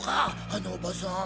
あのおばさん。